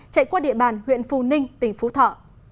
chạy qua địa bàn huyện phù ninh tỉnh phú thọ